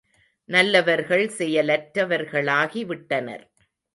நல்லவர்கள் செயலற்ற வர்களாகி விட்டனர்.